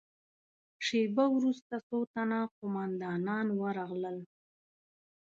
شېبه وروسته څو تنه قوماندانان ورغلل.